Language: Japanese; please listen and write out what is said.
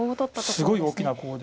すごい大きなコウで。